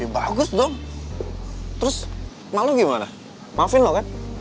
ya bagus dong terus emang lo gimana maafin lo kan